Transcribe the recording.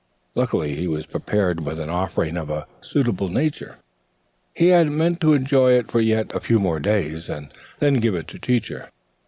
Luckily, he was prepared with an offering of a suitable nature. He had meant to enjoy it for yet a few days, and then to give it to Teacher.